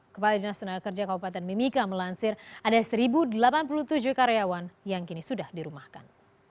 kepala dinas tenaga kerja kabupaten mimika melansir ada satu delapan puluh tujuh karyawan yang kini sudah dirumahkan